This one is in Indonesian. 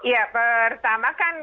ya pertama kan